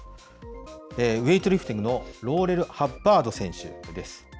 ウエイトリフティングのローレル・ハッパード選手です。